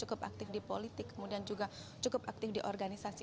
cukup aktif di politik kemudian juga cukup aktif di organisasi